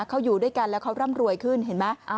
เขาอยู่ด้วยกันแล้วเขาร่ำรวยขึ้นเห็นไหม